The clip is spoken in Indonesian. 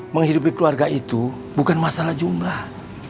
menghidupi keluarga itu bukan masalah jumlah